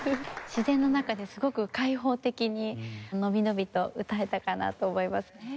自然の中ですごく開放的に伸び伸びと歌えたかなと思います。